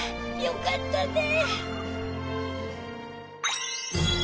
よかったね。